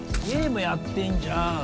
ゲームやってんじゃーん！